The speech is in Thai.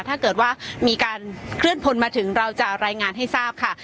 ถ้าเกิดว่ามีการเคลื่อนพลมาถึงเราจะรายงานให้ทราบค่ะ